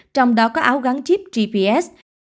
trong đó có áo gắn chip gps